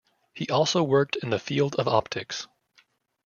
He also worked in the field of optics.